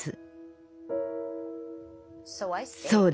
そうだ。